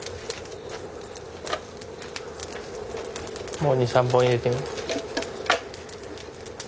もう２３本入れてみ。